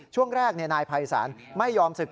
ช่วงแรกนายภัยศาลไม่ยอมศึก